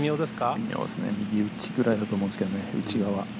微妙ですね、右打ちぐらいだと思うんですけど。